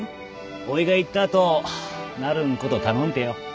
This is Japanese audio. おぃが行った後なるんこと頼んてよ。